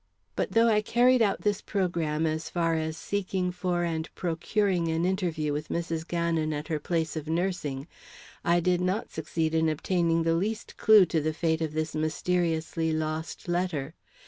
But though I carried out this programme as far as seeking for and procuring an interview with Mrs. Gannon at her place of nursing, I did not succeed in obtaining the least clew to the fate of this mysteriously lost letter.